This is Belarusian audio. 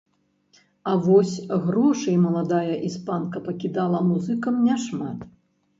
А вось грошай маладая іспанка пакідала музыкам няшмат.